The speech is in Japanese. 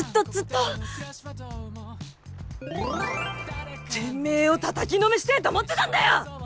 てめえをたたきのめしてえと思ってたんだよ！